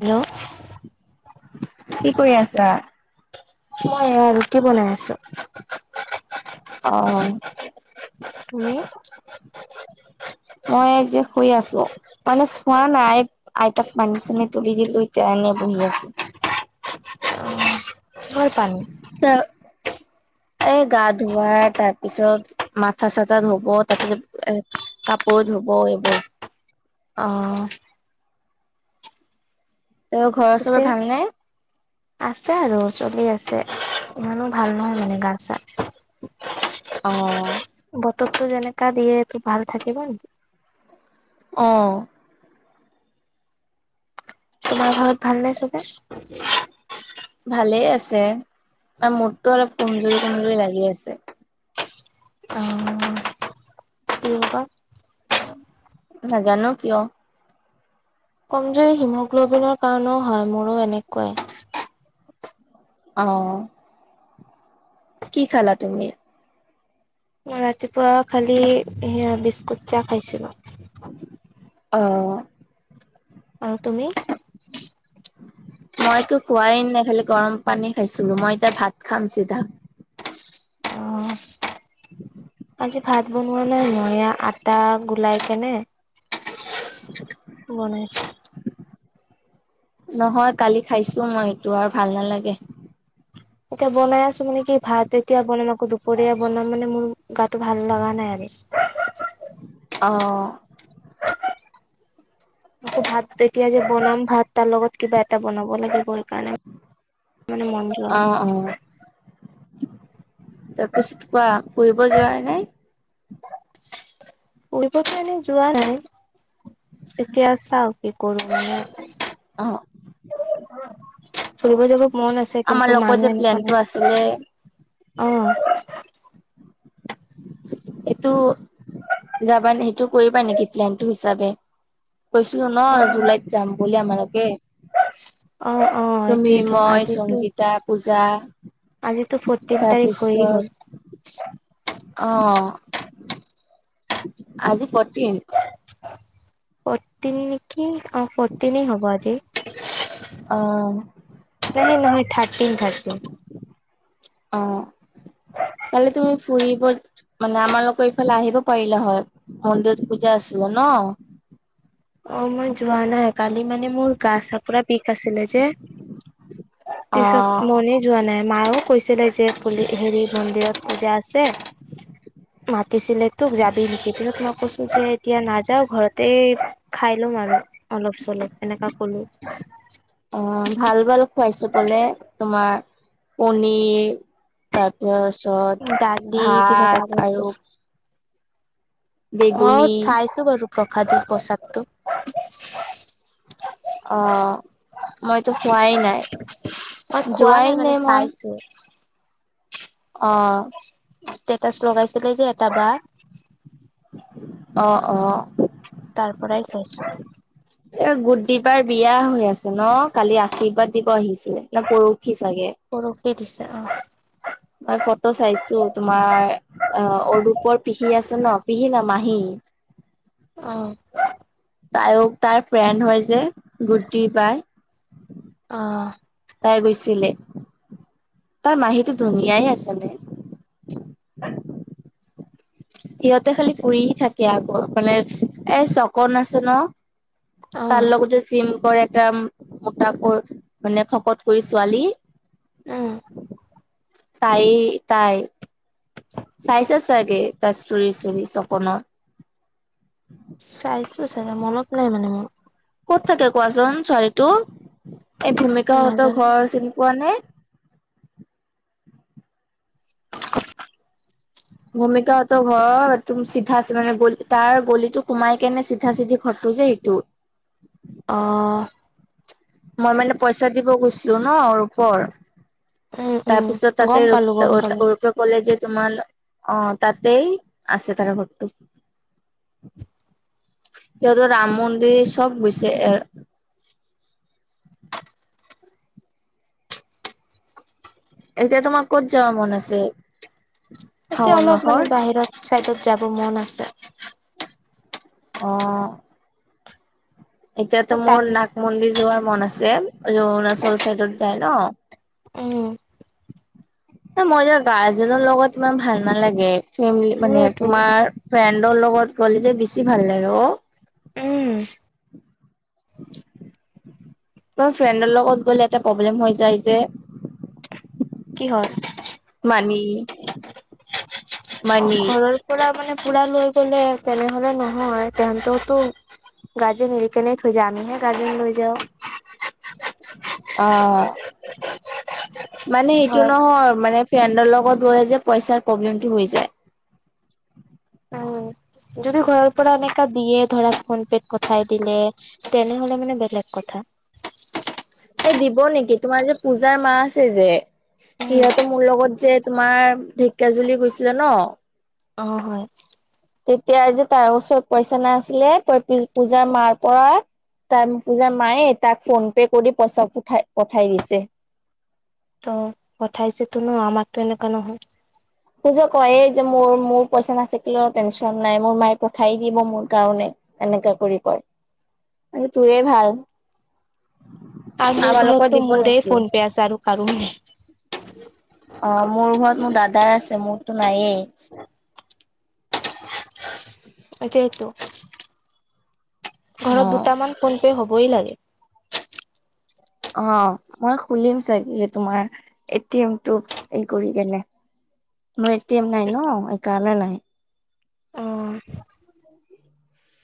Hello, কি কৰি আছা। মই এয়া ৰুটি বনাই আছো। অ। তুমি। মই যে শুই আছো। মানে খোৱা নাই আইতাক পানী চানি তুলি দিলো এতিয়া এনে বহি আছিল। অ কিহৰ পানী। [unintelligible] এ, গা ধোৱা তাৰ পিছত মাথা চাথা ধব তাৰ পিছত এ কাপোৰ ধুব এইবোৰ। অঁ। তেওঁ ঘৰৰ চবৰে পিছে ভালনে। আছে আৰু চলি আছে ইমানো ভাল নহয় মানে গা চা অ। বতৰটো যেনেকা দিয়ে তো ভাল থাকিব নেকি। অ। তোমাৰ ঘৰত ভালনে চবে? ভালেই আছে আৰ মূৰটো অলপ কমজুৰি কমজুৰি লাগি আছে। অহ। [unintelligible] নাজানো কিয়? কমজুৰি হিমোগ্ল'বিনৰ কাৰণেও হয় মোৰো এনেকুৱাই। অ। কি খালা তুমি? মই ৰাতিপুৱা খালি বিস্কুট চাহ খাইছিলোঁ। অ। আও তুমি? মইতো খোৱাই নাই খালি গৰম পানী খাইছিলো মই এতিয়া ভাত খাম চিধা। অ। আজি ভাত বনোৱা নাই নয়া আটা গোলাই কেনে [inaudible] বনাইছ- নহয় কালি খাইছো মই এইটো আৰু ভাল নালাগে। এতিয়া বনাই আছো মানে কি ভাত এতিয়া বনাম আকৌ দুপৰীয়া বনাম মানে মোৰ গাটো ভাল লগা নাই আৰু। অ। আকৌ ভাত এতিয়া যে বনাম ভাত তাৰ লগত কিবা এটা বনাব লাগিবৈ। অ অ। তাৰপিছত কোৱা ফুৰিব যোৱাৰ নাই। ফুৰিবটো এনে যোৱা নাই এতিয়া চাও কি কৰো মানে অ। ফুৰিব যাব মন আছে আমাৰ কিন্তু লগত যে মানুহ এনেকুৱা প্লেনটো আছিলে নাই। অ। এইটো যাবা নে সেইটো কৰিবা নেকি প্লেনটো হিচাপে। কৈছিলো অ ন জুলাইত যাম বুলি আমালকে। অ অ তুমি, এইটোয়েতো মই, আজিতো সংগীতা, পূজা। আজিতো ফৰ্টিন তাৰিখ হৈয়ে তাৰপিছত গ'ল। অ, আজি ফৰ্টিন। ফটিন নে কি অ ফটিন হব আজি। অ', নাহে নহয় থাৰ্টিন থাৰ্টিন। অ কাইলি তুমি ফুৰিব মানে আমালোকৰ এইফালে আহিব পাৰিলে হয় মন্দিৰত পূজা আছিলে ন। অ মই যোৱা নাই কালি মানে মোৰ গা চাপৰা বিষ আছিলে যে, পিছত অ', মনিজ যোৱা নাই মায়েও কৈছিলে যে পুলি হেৰি মন্দিৰত পূজা আছে। মাতিছিলে তোক যাবি নেকি তহত মই কৈছো যে এতিয়া নাযাও ঘৰতেই খাই ল'ম আৰু অলপ চলপ এনেকুৱা ক'লোঁ। অ ভাল ভাল খুৱাইছো পলে। তোমাৰ পনিৰ তাৰপিছত দালি পিছত ভাত আৰু মইওদ বেগুনী চাইছো বাৰু প্ৰসাদি পোচাকটো। অ মইতো কোৱাই নাই, মই খোৱা যোৱাই মানে নাই মই। [unintelligible] অ। ষ্টেটাচ লগাইছিলে যে এটা বা অ অ। তাৰ পৰাই খাইছো। [inaudible] এই গুটদি বাৰ বিয়া হৈ আছে ন কালি আৰ্শীবাদ দিব আহিছিলে ন পৰহি চাগে। পৰখি দিছে অ। মই ফটো চাইছো তোমাৰ অ অৰূপৰ পিহি আছে ন পিহি ন মাহী। অ। তাইও তাইৰ ফ্ৰেণ্ড হয় যে গুটি বাই অ তাই গৈছিলে তাৰ মাহীটো ধুনীয়াই আছিলে। সিহঁতে খালি ফুৰি থাকে আকৌ মানে এ চকন আছে ন। অ তাৰ অ লগত জিম কৰে একদম। মুতা কৰ মানে শকত কৰি ছোৱালী। উম। তাই তাই চাইছে চাগে তাৰ ষ্টৰি চষ্টৰি চকনৰ। চাইছো চাগে মনত নাই মানে মোৰ। ক'ত থাকে কোৱাচোন ছোৱালীটো এই ভূমিক হতৰ নাজানো ঘৰ চিনি পোৱা নে? ক'ত ভূমিকা হতৰ ঘৰৰ চিধা মানে গলি তাৰ গলিটো সোমাই কেনে চিধা চিধি ঘৰটো যে সেটো। অ মই মানে পইচা দিব গৈছিলো ন অৰুপৰ। উম উম তাৰপিছত তাতে গম ৰৈ পালো ত গম পালো অৰুপক [unintelligible] কলে যে তোমাৰ অ তাতেই আছে তাৰ ঘৰটো। সিহঁতৰ ৰাম মন্দিৰ চব গৈছে। এতিয়া তোমাৰ ক'ত যাবা মন আছে। এতিয়া শাওন অলপ মানে মাহৰ বাহিৰত চাইডত যাব মন আছে। অ। এতিয়াতো মোৰ নাগ মন্দিৰ যোৱাৰ মন আছে অৰুণাচল চাইডত যায় ন। উম মই যোৱা গাৰ্জেনৰ লগত ইমান ভাল নালাগে ফেমিলি। মানে মোৰোতো তোমাৰ ফ্ৰেণ্ডৰ লগত গ'ল যে বেছি ভাল লাগে অ উম ত ফ্ৰেণ্ডৰ লগত গ'লে এটা প্ৰব্লেম হৈ যায় যে। কি হয়? মাণি অ ঘৰৰ পৰা মানে পুৰা লৈ গ'লে তেনেহলে নহয় তেহনততো গাৰ্জেন এৰি কেনে থৈ যায় আমিহে গাৰ্জেন লৈ যাওঁ অ মানে এইটো ঘৰত নহয় মানে ফ্ৰেণ্ডৰ লগত গ'লে যে পইচাৰ প্ৰব্লেমটো হৈ যায়। উম যদি ঘৰৰ পৰা এনেকা দিয়ে ধৰা ফোন পেত পথাই দিলে তেনেহলে মানে বেলেগ কথা। এ দিব নেকি তোমাৰ যে পূজাৰ মাহ আছে যে। উম সিহঁতো মোৰ লগত যে তোমাৰ ঢেকীয়াজুলি গৈছিলে ন। অ হয়। তেতিয়া যে তাৰ ওচৰত পইচা নাই আছিলে তই পূজাৰ মাৰ পৰা তান পূজাৰ মায়ে তাক ফোন পে কৰি পইচা পঠাই পঠাই দিছে ত পঠাইছে তো ন আমাৰতো এনেকুৱা নহয় সৌজ কয় যে মোৰ মোৰ পইচা নাথাকিলেও টেনশচন নাই মোৰ মায়ে পঠাই দিব মোৰ কাৰণে। এনেকা কৰি কয় মানে তোৰে ভাল। আৰু মোৰ আমাৰ লোকৰ ঘৰতো দিব মোৰে নেকি? ফোন পে আছে আৰু কাৰো নাই অ মোৰ ঘৰত মোৰ দাদাৰ আছে মোৰতো নায়েই সেইটোৱেটো ঘৰত অ', দুটামান ফোনপে' হ'বই লাগে অ মই খুলিম চাগে তোমাৰ এটি এমটো এই কৰি কেনে মোৰ এটি এম নাই ন সেইকাৰণে নাই। অ [inaudible]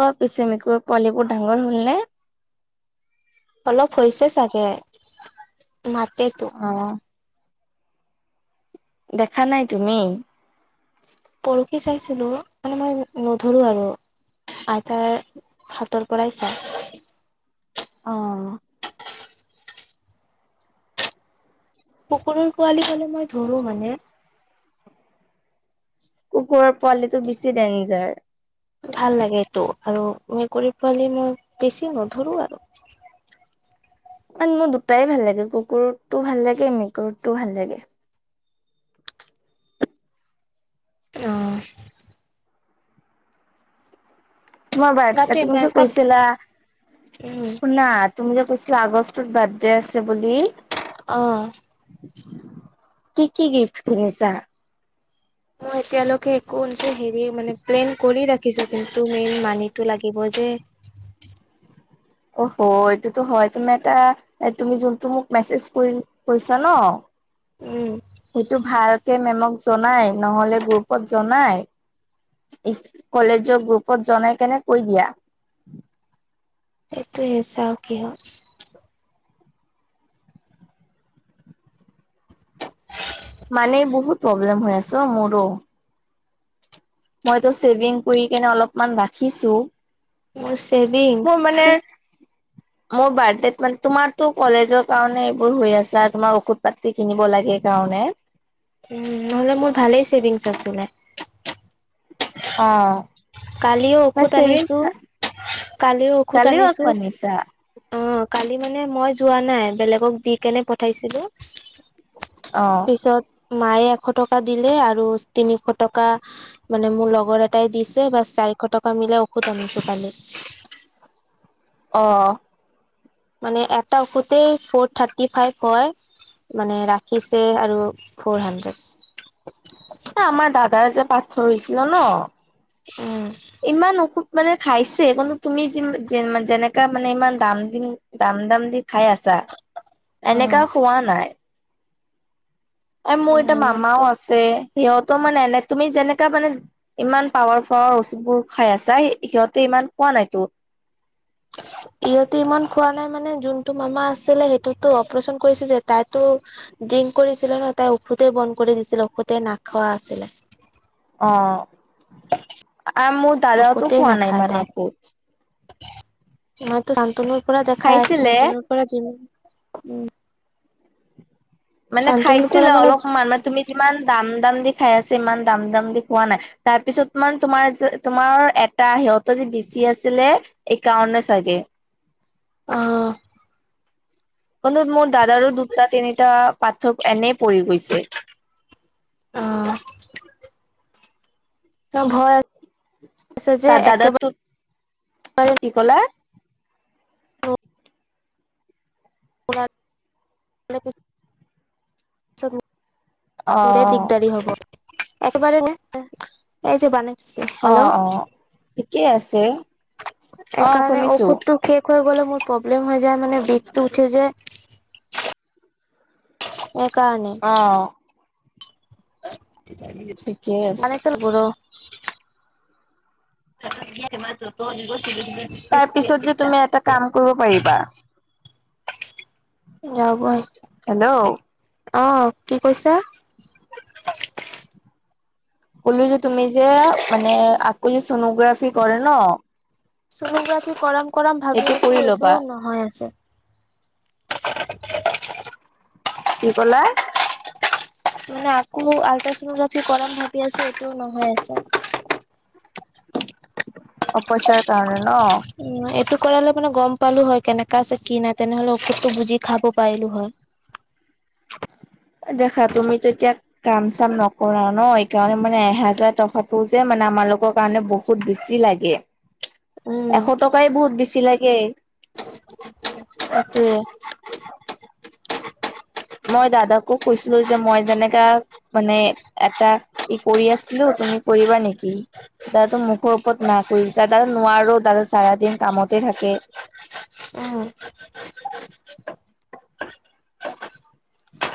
কোৱা পিছে মেকুৰী পোৱালিবোৰ ডাঙৰ হ'ল নে? অলপ হৈছে চাগে মাতেতো। অ, দেখা নাই তুমি। পৰখি চাইছিলোঁ মানে মই নধৰোঁ আৰু আইতাৰ সাতৰ পৰাই চাওঁ, অ, কুকুৰৰ পোৱালি হ'লে মই ধৰো মানে। কুকুৰৰ পোৱালিটো বেছি ডেঞ্জাৰ। ভাল লাগে এইটো আৰু মেকুৰী পোৱালি মই বেছি নধৰো আৰু কাৰণ মোৰ দুটাই ভাল লাগে কুকুৰটো ভাল লাগে মেকুৰীটো ভাল লাগে। অ। তোমাৰ ব গাটো তুমি ইমান যে এটা কৈছিলা উম শুনা। তুমি যে কৈছিলা আগষ্টত বাৰ্থডে আছে বুলি। অ, কি কি গিফ্ট কিনিছা। মই এতিয়ালৈকে একো যে হেৰি মানে প্লেইন। কৰি ৰাখিছোঁ কিন্তু মেইন মানিটো লাগিব যে। অ হ এইটোতো হয় তুমাৰ এটা, এ তুমি যোনটো মোক মেছেজ কৰি কৰিছা ন। উম, সেইটো ভালকে মেমক জনাই নহ'লে গ্ৰুপত জনাই। কলেজৰ গ্ৰুপত জনাই কেনে কৈ দিয়া। সেইটোৱে চাওঁ কি হয়। মাণি বহুত প্ৰব্লেম হৈ আছ অ মোৰো। মইতো চেভিং কৰি কেনে অলপমান ৰাখিছোঁ। মোৰ ছেভিংছ মোৰ মানে। মোৰ বাৰ্থডে মানে তোমাৰতো কলেজৰ কাৰণে এইবোৰ হৈ আছা তোমাৰ ঔষুধ, পাতি কিনিব লাগে কাৰণে। উম নহলে মোৰ ভালেই ছেভিংছ আছিলে। অ, কালিও মই ঔষধ ছেভিংছ আনিছো কালিও ঔষধ কালিও আনিছো। আকৌ আনিছা অ কালি মানে মই যোৱা নাই বেলেগক দি কেনে পঠাইছিলো। অহ, পিছত মায়ে এশ টকা দিলে আৰু তিনিশ টকা মানে মোৰ লগৰ এটাই দিছে। বাচ চাৰিশ টকা মিলাই ঔষধ আনিছো কালি। অ, মানে এটা ঔষতে ফ'ৰ থাৰ্টি ফাইভ হয়। মানে ৰাখিছে আৰু ফৰ হাণ্ড্ৰেড। আমাৰ দাদাৰ যে পাথৰ হৈছিলে ন। উম, ইমান ঔষধ মানে খাইছে কিন্তু তুমি যি যেনেকা মানে ইমান দাম দিম। দাম দাম দি খাই আছা উম। এনেকাও খোৱা নাই। এ মোৰ এতিটা মামাও আমাৰতো আছে সিহঁতও মানে এনে তুমি যেনেকা মানে। ইমান পাৱাৰ ফাৱাৰ ঔষধবোৰ খাই আছা সিহঁতে ইমান খোৱা নাইতো। [inaudible] ইহঁতে ইমান খোৱা নাই মানে যোনটো মামা আছিলে সেইটোতো অপাৰচন কৰিছে যে তাইতো। ড্ৰিংক কৰিছিলে ন তাই ঔষধতে বন্ধ কৰি দিছিলে ঔষধতে নাখোৱা আছিলে। অ আৰু মোৰ দাদাওতো খোৱা নাই ইমান ঔষধ, মইয়ো শান্তনুৰ পৰা দেখাই আছো খাইছিলে শান্তনুৰ পৰা যিমান উম, মানে শান্তনুৰ পৰা খাইছিলো মানে অলপমান মানে তুমি যিমান দাম - দাম দি খাই আছা ইমান দাম - দাম দি খোৱা নাই। তাৰপিছত মান তোমাৰ যে তোমাৰ এটা সিহঁত যে দিচি আছিলে এইকাৰণে চাগে। অ। তন্ত মোৰ দাদা আৰু দুটা - তিনিটা পাথৰ এনেই পৰি গৈছে অঁ। আছে যে তাৰ দাদাৰ একেবাৰে তো, কি ক'লা? পুনাৰ লে পিছ চত মো অ মোৰে দিগদাৰি হব, একেবাৰে নে এই যে বানে অ হেল্ল'? অ ঠিকেই আছে অ এইকাৰণে শুনিছো ঔষতটো শেষ হৈ গ'লে মোৰ প্ৰব্লেম হৈ যায় মানে বিষটো উঠি যে। সেইকাৰণে। অঁ। ঠিকেই আছে মানেতল গুৰু সেই মা টো তই গৈছিলি যে? তাৰ পিছত যে তুমি এটা কাম কৰিব পাৰিবা? যাও বই, হেল্ল' অ কি কৈছা? কলো যে তুমি যে মানে আকৌ যে চনোগ্ৰাফি কৰে ন? চনোগ্ৰাফি কৰাম - কৰাম ভাবি সেইটো আছো কৰি ল'বা এইটোও নহয় আছে। [inaudible] কি ক'লা? মানে আকৌ আল্ট্ৰাছনোগ্ৰাফি কৰাম ভাবি আছো এইটোও নহয় আছে। [unintelligible] অ পইছাৰ কাৰণে ন? উম এইটো কৰালে মানে গম পালো হয় কেনেকা আছে কি নাই তেনেহলে ঔষধটো বুজি খাব পাৰিলো হয়। দেখা তুমি তেতিয়া কাম - চাম নকৰা ন এই কাৰণে মানে এহেজাৰ টকাটো যে মানে আমাৰলোকৰ কাৰণে ব হুত বেছি লাগে, উম এশ টকাই বহুত বেছি লাগে। তাকে। মই দাদাকো কৈছিলো যে মই যেনেকা মানে এটা ই কৰি আছিলো তুমি কৰিবা নেকি? দাদা মুখৰ ওপৰত না কৰিছে নোৱাৰো, দাদা চাৰা দিন কামতে থাকে। উম।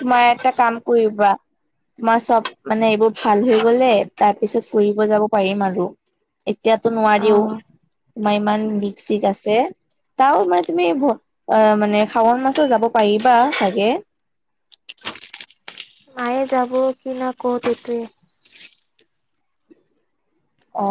তোমাৰ এটা কাম কৰিবা? তোমাৰ চব মানে এইবোৰ ভাল হৈ গলে তাৰ পিছত ফুৰিব যাব পাৰিম আৰু। এতিয়াতো নোৱাৰিও, অ। তোমাৰ ইমান লিক- চিক আছে। তাও মানে তুমি অ, মানে শাওণ মাছো যাব পাৰিবা চাগে? তায়ে যাব কি না ক'তটোৱে। অ।